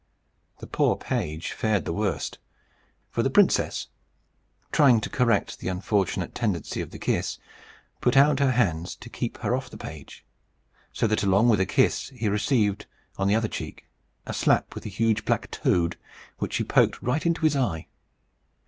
The poor page fared the worst. For the princess, trying to correct the unfortunate tendency of the kiss, put out her hands to keep her off the page; so that, along with the kiss, he received, on the other cheek, a slap with the huge black toad, which she poked right into his eye.